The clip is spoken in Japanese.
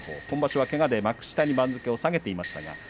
今場所は、けがで幕下に番付を下げていました。